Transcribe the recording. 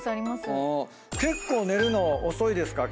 結構寝るの遅いですか？